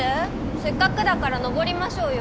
せっかくだから登りましょうよ。